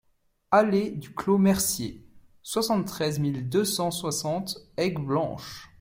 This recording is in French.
Allée du Clos Mercier, soixante-treize mille deux cent soixante Aigueblanche